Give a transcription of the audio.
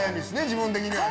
自分的には。